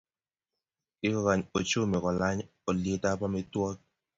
Kikokany uchumi kolany olyetab amitwogik